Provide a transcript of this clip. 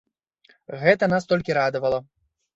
Гэта нас толькі радавала.